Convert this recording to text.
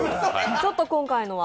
ちょっと今回のは。